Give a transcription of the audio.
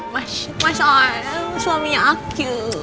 mas suaminya aku